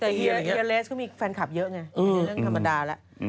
แต่เฮียเลสก็มีแฟนคลับเยอะไงเรื่องธรรมดาแล้ว